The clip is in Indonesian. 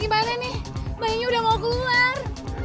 gimana nih bayinya udah mau keluar